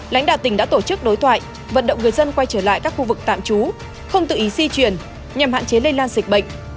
lãnh đạo tỉnh đã tổ chức đối thoại vận động người dân quay trở lại các khu vực tạm trú không tự ý di chuyển nhằm hạn chế lây lan dịch bệnh